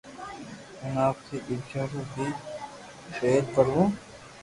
ھين آپري ٻچو رو بي پيت ڀروو